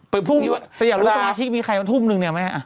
ไปพรุ่งนี้ว่ะแต่อยากรู้ว่าตรงนี้มีใครทุ่มนึงเนี่ยไหม